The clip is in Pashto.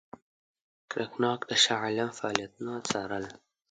کرناک د شاه عالم فعالیتونه څارل.